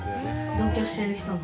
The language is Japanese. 同居してる人も。